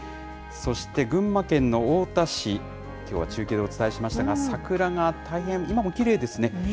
そして、群馬県の太田市、きょうは中継でお伝えしましたが、桜が大変、今もきれいですね。